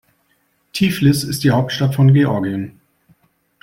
Tiflis ist die Hauptstadt von Georgien.